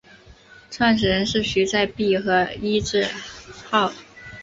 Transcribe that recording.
创始人是徐载弼和尹致昊。